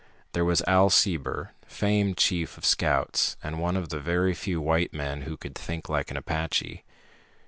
There was Al Sieber, famed chief of scouts and one of the very few white men who could think like an Apache.